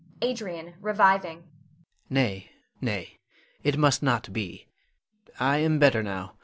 _ Adrian [reviving]. Nay, nay; it must not be. I am better now.